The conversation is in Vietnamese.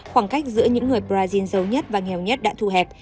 khoảng cách giữa những người brazil giàu nhất và nghèo nhất đã thu hẹp